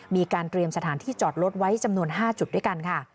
มีการเตรียมสถานที่จอดรถไว้จำนวน๕จุดด้วยกันค่ะ